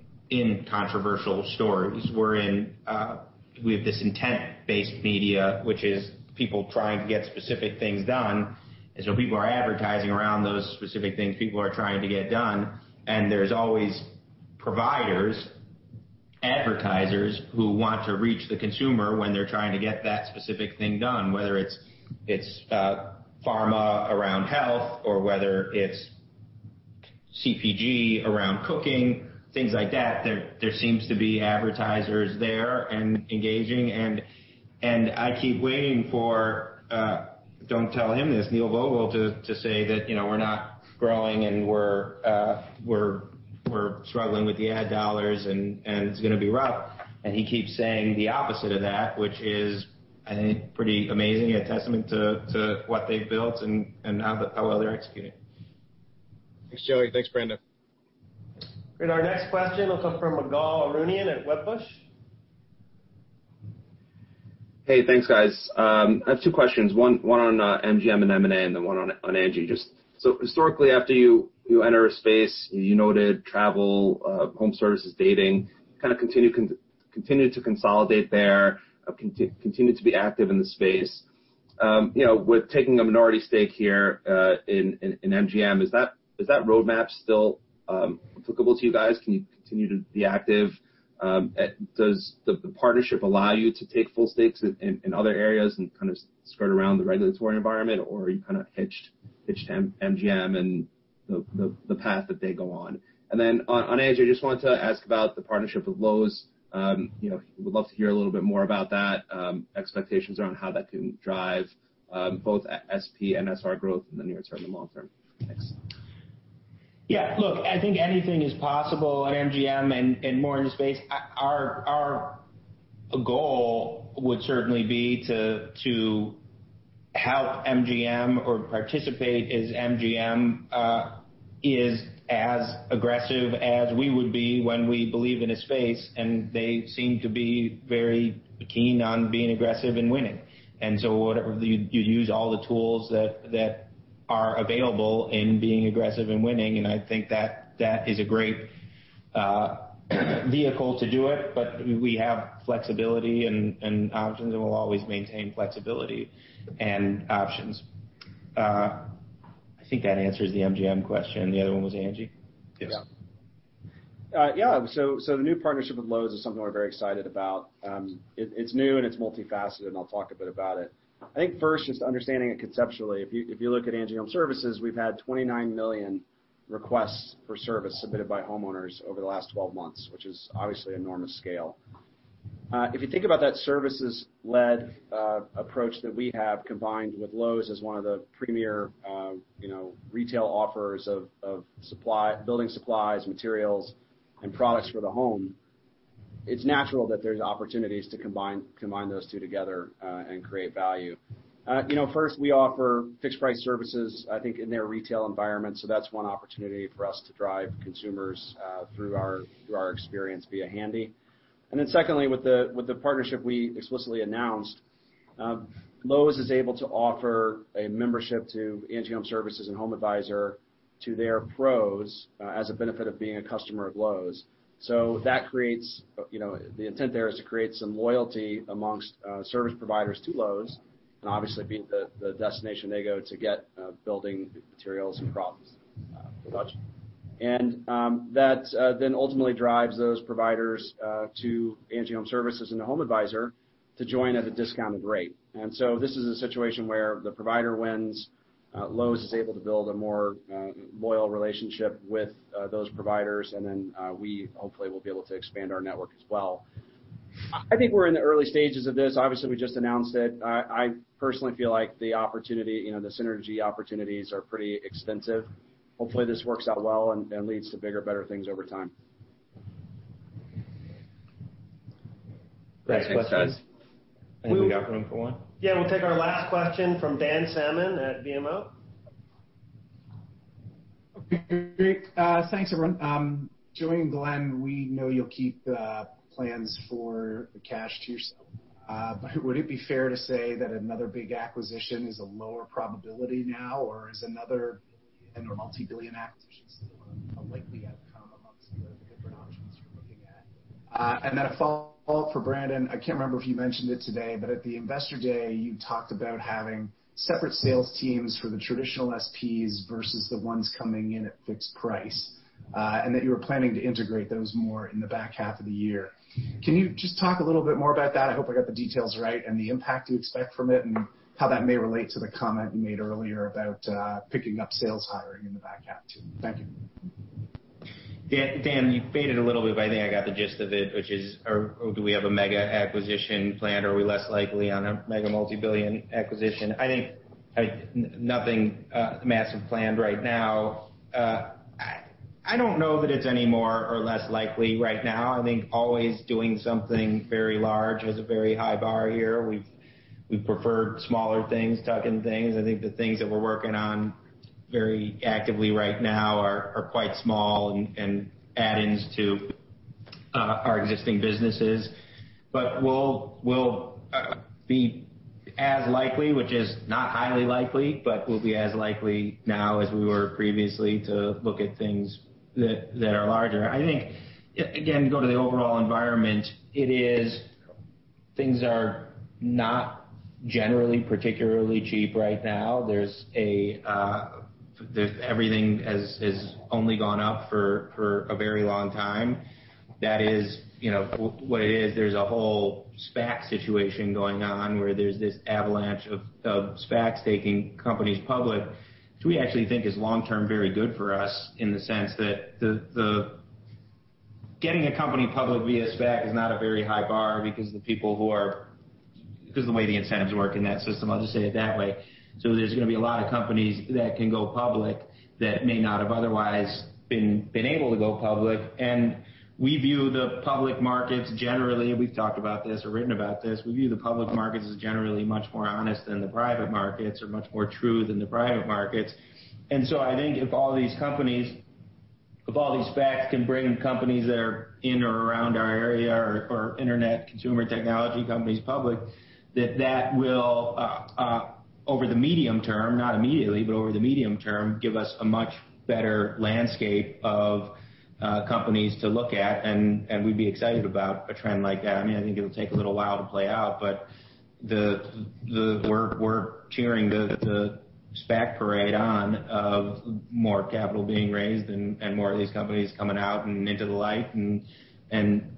controversial stories. We have this intent-based media, which is people trying to get specific things done. People are advertising around those specific things people are trying to get done, and there's always providers, advertisers who want to reach the consumer when they're trying to get that specific thing done, whether it's pharma around health or whether it's CPG around cooking, things like that. There seems to be advertisers there and engaging. I keep waiting for, don't tell him this, Neil Vogel to say that we're not growing and we're struggling with the ad dollars and it's going to be rough. He keeps saying the opposite of that, which is, I think, pretty amazing and a testament to what they've built and how well they're executing. Thanks, Joey. Thanks, Brandon. Great. Our next question will come from Ygal Arounian at Wedbush. Hey, thanks, guys. I have two questions, one on MGM and M&A and then one on Angi. Historically, after you enter a space, you noted travel, home services, dating, kind of continue to consolidate there, continue to be active in the space. With taking a minority stake here in MGM, is that roadmap still applicable to you guys? Can you continue to be active? Does the partnership allow you to take full stakes in other areas and kind of skirt around the regulatory environment, or are you kind of hitched MGM and the path that they go on? On Angi, I just wanted to ask about the partnership with Lowe's. Would love to hear a little bit more about that, expectations around how that can drive both SP and SR growth in the near term and long term. Thanks. Look, I think anything is possible at MGM and more in the space. Our goal would certainly be to help MGM or participate as MGM is as aggressive as we would be when we believe in a space, and they seem to be very keen on being aggressive and winning. You use all the tools that are available in being aggressive and winning, I think that is a great vehicle to do it. We have flexibility and options, and we'll always maintain flexibility and options. I think that answers the MGM question. The other one was Angi? Yes. Yeah. The new partnership with Lowe's is something we're very excited about. It's new and it's multifaceted, and I'll talk a bit about it. I think first, just understanding it conceptually, if you look at ANGI Homeservices, we've had 29 million requests for service submitted by homeowners over the last 12 months, which is obviously an enormous scale. If you think about that services-led approach that we have combined with Lowe's as one of the premier retail offers of building supplies, materials, and products for the home, it's natural that there's opportunities to combine those two together and create value. First, we offer fixed price services, I think in their retail environment. That's one opportunity for us to drive consumers through our experience via Handy. Secondly, with the partnership we explicitly announced, Lowe's is able to offer a membership to ANGI Homeservices and HomeAdvisor to their pros as a benefit of being a customer of Lowe's. The intent there is to create some loyalty amongst service providers to Lowe's, and obviously being the destination they go to get building materials and products for the budget. That then ultimately drives those providers to ANGI Homeservices and HomeAdvisor to join at a discounted rate. This is a situation where the provider wins, Lowe's is able to build a more loyal relationship with those providers, and then we hopefully will be able to expand our network as well. I think we're in the early stages of this. Obviously, we just announced it. I personally feel like the synergy opportunities are pretty extensive. Hopefully, this works out well and leads to bigger, better things over time. Great. Thanks, guys. I think we got room for one. Yeah, we'll take our last question from Dan Salmon at BMO. Okay, great. Thanks, everyone. Joey and Glenn, we know you'll keep the plans for the cash to yourself. Would it be fair to say that another big acquisition is a lower probability now, or is another billion or multi-billion acquisition still a likely outcome amongst the different options you're looking at? A follow-up for Brandon. I can't remember if you mentioned it today, but at the investor day, you talked about having separate sales teams for the traditional SPs versus the ones coming in at fixed price, and that you were planning to integrate those more in the back half of the year. Can you just talk a little bit more about that? I hope I got the details right, and the impact you expect from it, and how that may relate to the comment you made earlier about picking up sales hiring in the back half, too. Thank you. Dan, you faded a little bit, but I think I got the gist of it, which is, do we have a mega acquisition planned, or are we less likely on a mega multi-billion acquisition? I think nothing massive planned right now. I don't know that it's any more or less likely right now. I think always doing something very large has a very high bar here. We've preferred smaller things, tuck-in things. I think the things that we're working on very actively right now are quite small and add-ins to our existing businesses. We'll be as likely, which is not highly likely, but we'll be as likely now as we were previously to look at things that are larger. I think, again, you go to the overall environment, things are not generally particularly cheap right now. Everything has only gone up for a very long time. That is what it is. There's a whole SPAC situation going on where there's this avalanche of SPACs taking companies public, which we actually think is long-term very good for us in the sense that getting a company public via SPAC is not a very high bar because the way the incentives work in that system. I'll just say it that way. There's going to be a lot of companies that can go public that may not have otherwise been able to go public. We view the public markets generally, we've talked about this or written about this. We view the public markets as generally much more honest than the private markets or much more true than the private markets. I think if all these SPACs can bring companies that are in or around our area or internet consumer technology companies public, that will over the medium term, not immediately, but over the medium term, give us a much better landscape of companies to look at, and we'd be excited about a trend like that. I think it'll take a little while to play out, but we're cheering the SPAC parade on of more capital being raised and more of these companies coming out and into the light and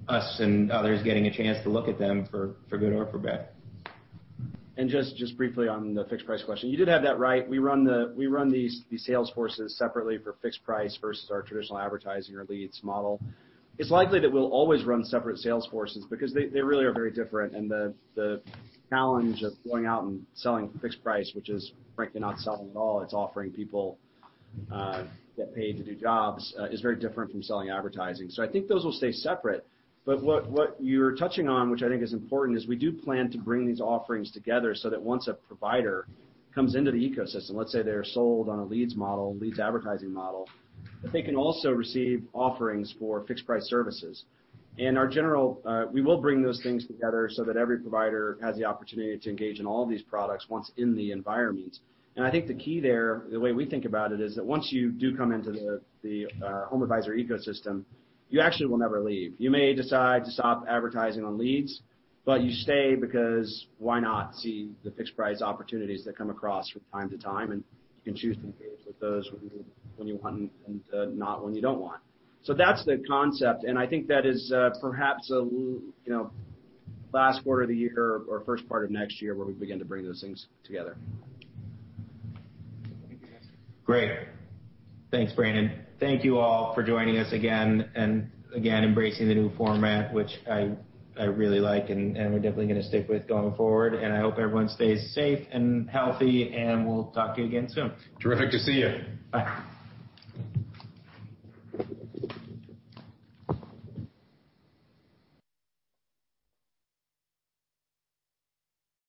us and others getting a chance to look at them for good or for bad. Just briefly on the fixed price question. You did have that right. We run these sales forces separately for fixed price versus our traditional advertising or leads model. It's likely that we'll always run separate sales forces because they really are very different, and the challenge of going out and selling fixed price, which is frankly not selling at all, it's offering people get paid to do jobs, is very different from selling advertising. I think those will stay separate. What you're touching on, which I think is important, is we do plan to bring these offerings together so that once a provider comes into the ecosystem, let's say they're sold on a leads model, leads advertising model, that they can also receive offerings for fixed price services. We will bring those things together so that every provider has the opportunity to engage in all of these products once in the environment. I think the key there, the way we think about it is that once you do come into the HomeAdvisor ecosystem, you actually will never leave. You may decide to stop advertising on leads, but you stay because why not see the fixed price opportunities that come across from time to time, and you can choose to engage with those when you want and not when you don't want. That's the concept, and I think that is perhaps last quarter of the year or first part of next year where we begin to bring those things together. Thank you, guys. Great. Thanks, Brandon. Thank you all for joining us again, embracing the new format, which I really like and we're definitely going to stick with going forward. I hope everyone stays safe and healthy, and we'll talk to you again soon. Terrific to see you. Bye.